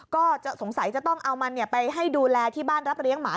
ก็สงสัยจะต้องเอามันไปให้ดูแลที่บ้านรับเลี้ยงหมา